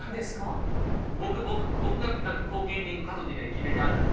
僕の後見人家族以外に決めてあるんです。